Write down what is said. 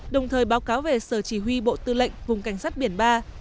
đồng thời báo cáo về sở chỉ huy bộ tư lệnh vùng cảnh sát biển ba